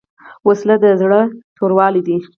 وسله د زړه توروالی دی